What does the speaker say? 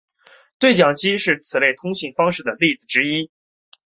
对讲机是此类通信方式的例子之一。